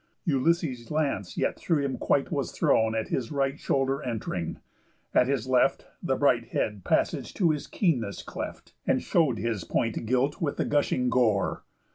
Ulysses' lance yet through him quite was thrown, At his right shoulder ent'ring, at his left The bright head passage to his keenness cleft, And show'd his point gilt with the gushing gore.